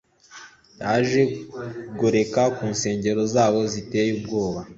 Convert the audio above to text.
yaje kugoreka ku nsengero zabo ziteye ubwoba